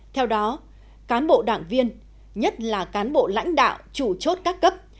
theo đó cán bộ đảng viên nhất là cán bộ lãnh đạo chủ chốt các cấp